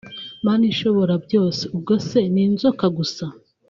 Manishobora byose ubwose ninzoka gusa